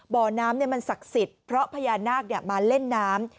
บ่อน้ำมันศักดิ์สิทธิ์เพราะพญานาคมาเล่นน้ำ